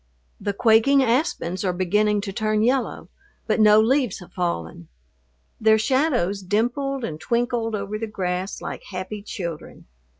The quaking aspens are beginning to turn yellow, but no leaves have fallen. Their shadows dimpled and twinkled over the grass like happy children.